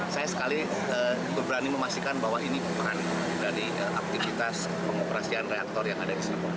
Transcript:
saya sekali berani memastikan bahwa ini bukan dari aktivitas pengoperasian reaktor yang ada di sini